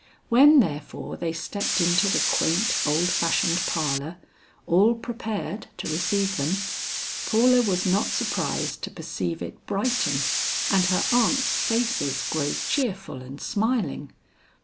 When therefore they stepped into the quaint old fashioned parlor, all prepared to receive them, Paula was not surprised to perceive it brighten, and her aunts' faces grow cheerful and smiling.